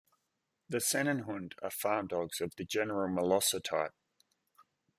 The Sennenhund are farm dogs of the general molosser type.